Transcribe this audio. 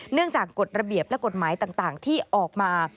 จากกฎระเบียบและกฎหมายต่างที่ออกมา